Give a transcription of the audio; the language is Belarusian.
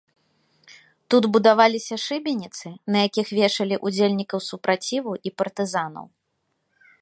Тут будаваліся шыбеніцы, на якіх вешалі ўдзельнікаў супраціву і партызанаў.